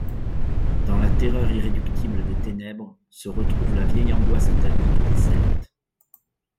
Dans la terreur irréductible des ténèbres, se retrouve la vieille angoisse atavique des Celtes.